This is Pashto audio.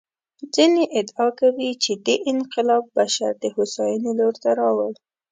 ځینې ادعا کوي چې دې انقلاب بشر د هوساینې لور ته راوړ.